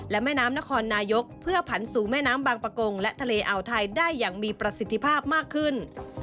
และแม่น้ำนครนายกเพื่อผันสู่แม่น้ำบางประกงและทะเลอ่าวไทยได้อย่างมีประสิทธิภาพมากขึ้น